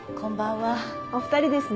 お二人ですね？